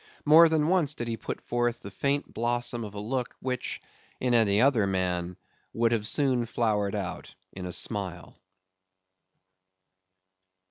More than once did he put forth the faint blossom of a look, which, in any other man, would have soon flowered out in a smile.